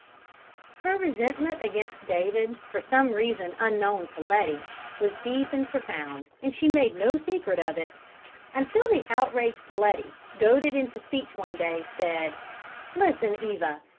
Her resentment against David, for some reason unknown to Letty, was deep and profound and she made no secret of it; until the outraged Letty, goaded into speech one day, said: "Listen, Eva!